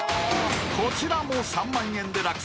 ［こちらも３万円で落札］